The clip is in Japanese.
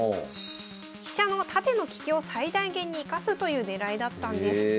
飛車の縦の利きを最大限に生かすという狙いだったんです。